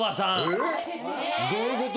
えっどういうこと？